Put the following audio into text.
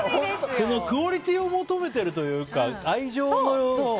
クオリティーを求めているというか愛情の。